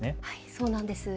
そうなんです。